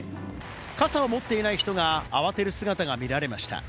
傘を持っていない人が慌てる姿が見られました。